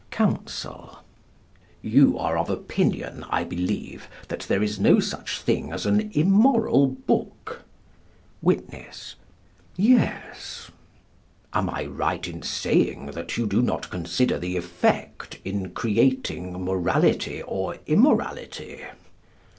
Counsel: You are of opinion, I believe, that there is no such thing as an immoral book? Witness: Yes. Am I right in saying that you do not consider the effect in creating morality or immorality?